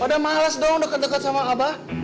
pada males dong deket deket sama abah